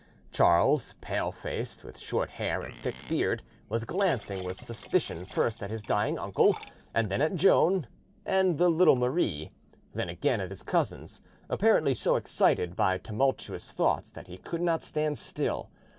Charles, pale faced, with short hair and thick beard, was glancing with suspicion first at his dying uncle and then at Joan and the little Marie, then again at his cousins, apparently so excited by tumultuous thoughts that he could not stand still.